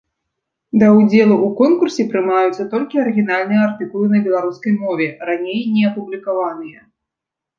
Да ўдзелу ў конкурсе прымаюцца толькі арыгінальныя артыкулы на беларускай мове, раней не апублікаваныя.